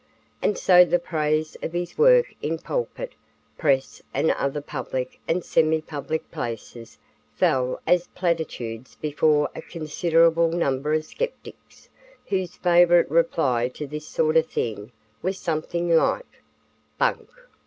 And so the praise of his work in pulpit, press and other public and semi public places fell as platitudes before a considerable number of skeptics, whose favorite reply to this sort of thing was something like "Bunk."